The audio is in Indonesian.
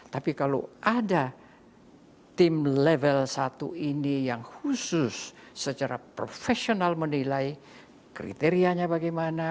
tapi kalau ada tim level satu ini yang khusus secara profesional menilai kriterianya bagaimana